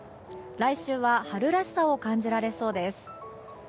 来週は春らしさを感じられそうです。